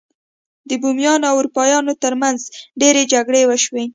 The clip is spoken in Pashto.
د بومیانو او اروپایانو ترمنځ ډیرې جګړې وشوې.